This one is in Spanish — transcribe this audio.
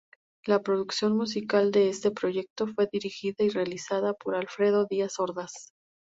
La producción musical de este proyecto fue dirigida y realizada por Alfredo Díaz Ordaz.